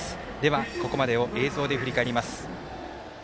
ここまでを映像で振り返ります。